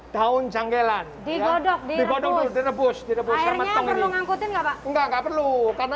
daun janggilan digodok dikodok direbus direbus terbang dan ngangkut enggak enggak perlu karena